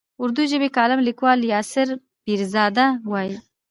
اردو ژبی کالم لیکوال یاسر پیرزاده وايي.